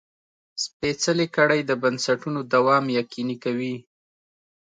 سپېڅلې کړۍ د بنسټونو دوام یقیني کوي.